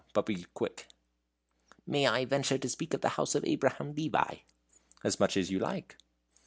But be quick." "May I venture to speak of the house of Abraham Levi?" "As much as you like."